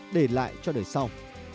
để lại cho đời sau